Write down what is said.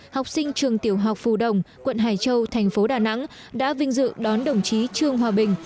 học sinh trường tiểu học phù đồng quận hải châu thành phố đà nẵng đã vinh dự đón đồng chí trương hòa bình